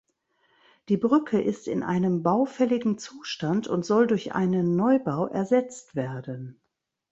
Die Brücke ist in einem baufälligen Zustand und soll durch einen Neubau ersetzt werden.